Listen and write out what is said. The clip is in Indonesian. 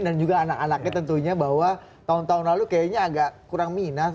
dan juga anak anaknya tentunya bahwa tahun tahun lalu kayaknya agak kurang minas